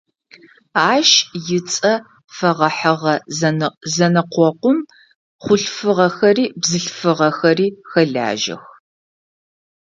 Ащ ыцӏэ фэгъэхьыгъэ зэнэкъокъум хъулъфыгъэхэри бзылъфыгъэхэри хэлажьэх.